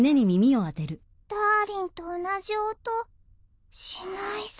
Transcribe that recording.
ダーリンと同じ音しないさ。